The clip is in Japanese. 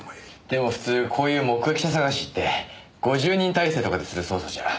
でも普通こういう目撃者探しって５０人体制とかでする捜査じゃ。